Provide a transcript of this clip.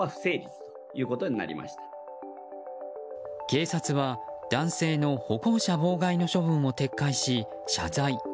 警察は、男性の歩行者妨害の処分を撤回し謝罪。